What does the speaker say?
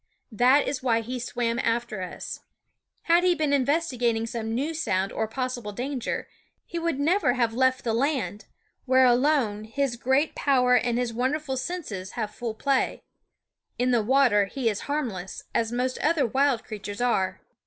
That is why he swam after us. Had he been investigating SCHOOL OF r> some new sound or possible danger, he would J/fffi So dof never nave kft the l anc ^ wnere alone his great power and his wonderful senses have full play. In the water he is harmless, as most other wild creatures are.